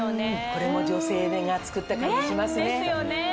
これも女性が作った感じしますね。